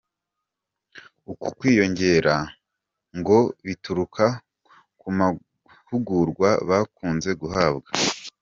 Uku kwiyongera ngo bituruka ku mahugurwa bakunze guhabwa.